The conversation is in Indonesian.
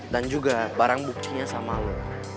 dan juga barang bukinya sama lo